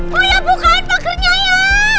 uya bukain pakernya ya